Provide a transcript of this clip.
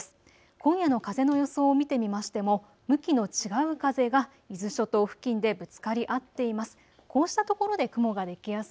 今夜の風の予想を見てみましても向きの違う風が伊豆諸島付近でぶつかり合っています。